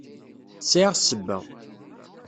Sɛiɣ ssebba.